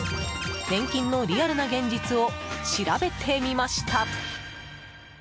年金のリアルな現実を調べてみました。